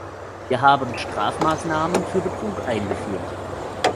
Wir haben Strafmaßnahmen für Betrug eingeführt.